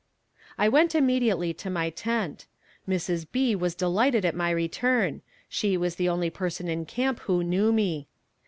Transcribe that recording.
I went immediately to my tent. Mrs. B. was delighted at my return; she was the only person in camp who knew me.